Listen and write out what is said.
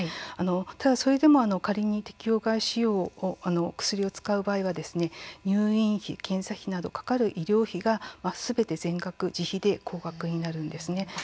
ただそれでも仮に適応外使用の薬を使う場合は入院費、検査費などかかる医療費がすべて全額自費で高額になるんです。